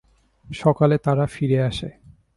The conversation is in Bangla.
সকালে তারা ফিরে আসে।